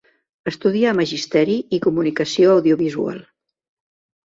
Estudià magisteri i comunicació audiovisual.